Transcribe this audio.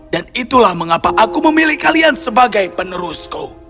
dan itulah mengapa aku memilih kalian sebagai penerusku